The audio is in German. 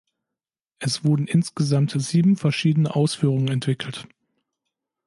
Es wurden insgesamt sieben verschiedene Ausführungen entwickelt.